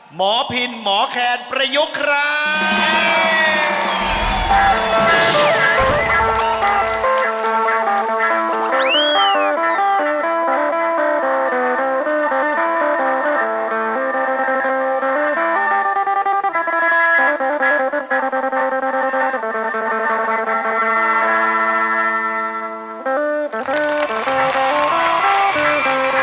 หมอพินหมอแคนประยุกต์ครับ